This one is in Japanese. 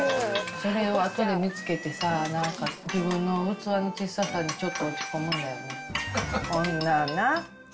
それをあとで見つけてさ、なんか、自分の器の小ささに、ちょっと落ち込むんだよね、こんなんな。